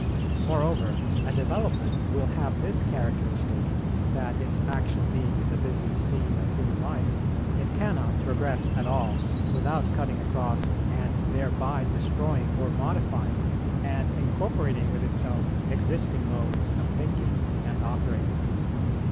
Moreover a development will have this characteristic, that, its action being in the busy scene of human life, it cannot progress at all without cutting across, and thereby destroying or modifying and incorporating with itself existing modes of thinking and operating.